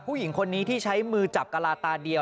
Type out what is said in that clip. ผู้หญิงคนนี้ที่ใช้มือจับกะลาตาเดียว